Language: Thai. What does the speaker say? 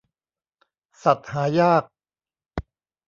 สัตว์หายาก